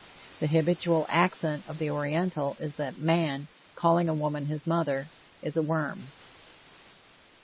The habitual accent of the Oriental is that man, calling a woman his mother, is a worm.